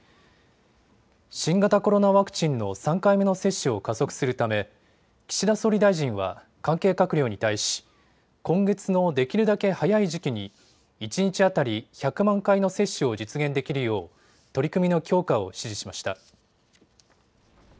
新型コロナワクチンの３回目の接種を加速するため岸田総理大臣は関係閣僚に対し今月のできるだけ早い時期に一日当たり１００万回の接種を実現できるよう取り組みの強化を指示しました。